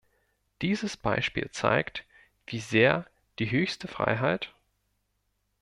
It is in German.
Dieses Beispiel zeigt, wie sehr die höchste Freiheit...